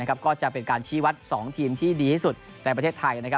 ก็จะเป็นการชี้วัด๒ทีมที่ดีที่สุดในประเทศไทย